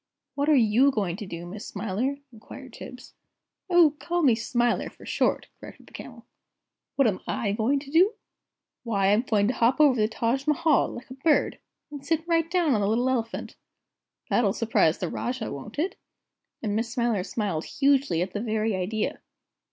"What are you going to do, Miss Smiler?" inquired Tibbs. "Oh, call me Smiler, for short!" corrected the Camel. "What am I going to do? Why, I'm going to hop over the Taj Mahal, like a bird, and sit right down on the little Elephant. That'll surprise the Rajah, won't it?" and Miss Smiler smiled hugely at the very idea.